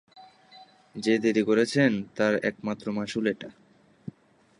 যে দেরী করেছেন, তার একমাত্র মাশূল এটা।